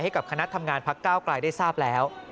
ให้กับคณะทำงานพักก้าวกลายได้ทราบแล้ว